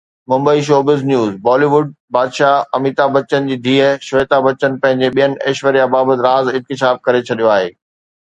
Mumbai (showbiz news) Bollywood بادشاهه اميتاڀ بچن جي ڌيءَ شويتا بچن پنهنجي ڀيڻ ايشوريا بابت راز انڪشاف ڪري ڇڏيو آهي.